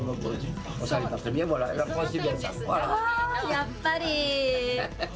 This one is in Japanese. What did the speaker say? やっぱり！